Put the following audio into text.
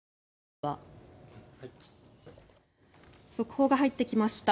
速報が入ってきました。